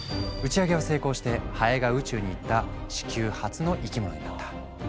打ち上げは成功してハエが宇宙に行った地球初の生き物になった。